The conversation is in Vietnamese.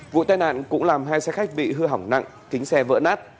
vụ tai nạn cũng làm hai xe khách bị hư hỏng nặng kính xe vỡ nát